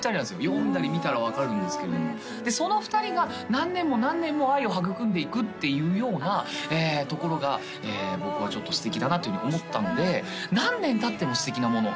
読んだり見たら分かるんですけれどもでその２人が何年も何年も愛を育んでいくっていうようなところが僕は素敵だなというふうに思ったので何年たっても素敵なもの